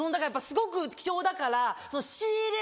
すごく貴重だから。